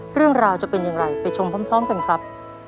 เรื่องราวจะเป็นอย่างไรไปชมพร้อมกันครับ